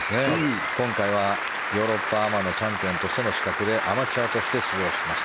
今回はヨーロッパアマのチャンピオンとしての資格でアマチュアとして出場しました。